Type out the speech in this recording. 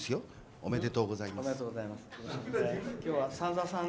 おめでとうございます。